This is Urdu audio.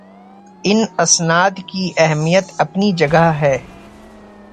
ان اسناد کی اہمیت اپنی جگہ ہے